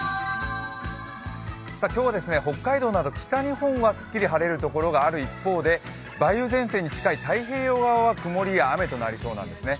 今日は北海道など北日本はすっきり晴れるところがある一方で梅雨前線に近い太平洋側は曇りや雨となりそうなんですね。